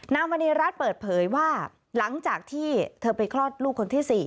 มณีรัฐเปิดเผยว่าหลังจากที่เธอไปคลอดลูกคนที่๔